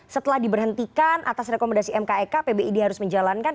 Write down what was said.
setelah diberhentikan atas rekomendasi mkek pbid harus menjalankan